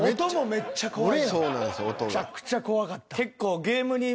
めちゃくちゃ怖かった。